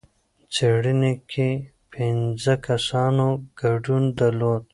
څېړنې کې پنځه کسانو ګډون درلود.